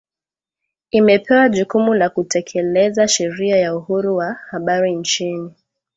Imepewa jukumu kutekeleza Sheria ya Uhuru wa Habari nchini